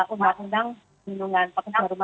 undang undang perlindungan rumah tangga